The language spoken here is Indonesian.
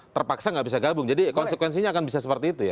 terpaksa nggak bisa gabung jadi konsekuensinya akan bisa seperti itu ya